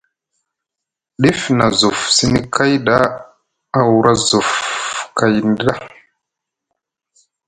Dif na juf sini kay da a wuura juf kay ni ɗa.